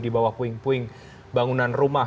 di bawah puing puing bangunan rumah